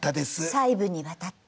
細部にわたって。